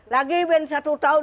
lagi satu tahun